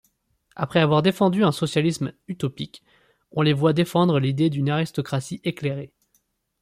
Après avoir défendu un socialisme utopique, on les voit défendre l'idée d'une aristocratie éclairée.